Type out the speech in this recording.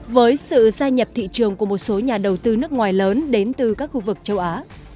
với sự gia nhập thị trường của một số nhà đầu tư nước ngoài lớn đến từ các khu vực châu á